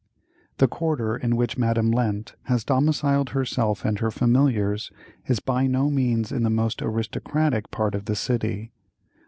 The quarter in which Madame Lent has domiciled herself and her familiars, is by no means in the most aristocratic part of the city.